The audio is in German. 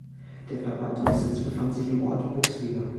Der Verwaltungssitz befand sich im Ort Bouxwiller.